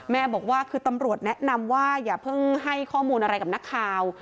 แม่บอกว่าคือตำรวจแนะนำว่าอย่าเพิ่งให้ข้อมูลอะไรกับนักข่าว